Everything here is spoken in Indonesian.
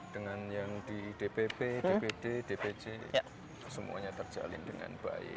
dengan yang di dpp dpd dpc semuanya terjalin dengan baik